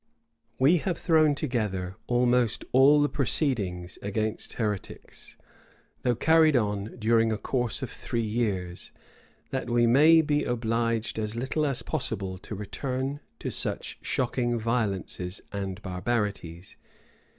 We have thrown together almost all the proceedings against heretics, though carried on during a course of three years, that we may be obliged as little as possible to return to such shocking violences and barbarities.